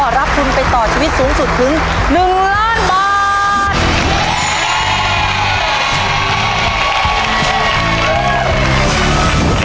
รับทุนไปต่อชีวิตสูงสุดถึง๑ล้านบาท